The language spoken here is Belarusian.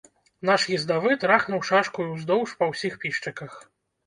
Наш ездавы трахнуў шашкаю ўздоўж па ўсіх пішчыках.